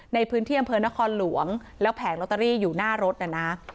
ในพื้นที่อำเภอนครหลวงแล้วแผงลอตเตอรี่อยู่หน้ารถน่ะนะ